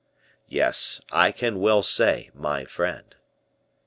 "Yes; I can well say 'my friend.